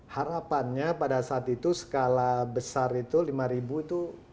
harapannya pada saat itu skala besar itu lima ribu itu